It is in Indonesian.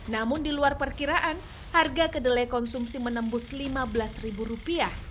namun di luar perkiraan harga kedelai konsumsi menembus rp lima belas